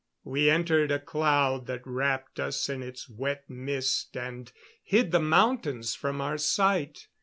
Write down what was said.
We entered a cloud that wrapped us in its wet mist and hid the mountains from our sight.